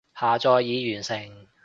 下載已完成